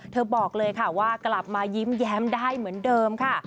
บอกเลยค่ะว่ากลับมายิ้มแย้มได้เหมือนเดิมค่ะ